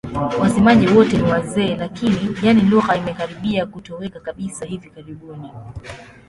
Wasemaji wote ni wazee lakini, yaani lugha imekaribia kutoweka kabisa hivi karibuni.